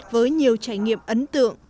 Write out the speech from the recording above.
với nhiều trải nghiệm ấn tượng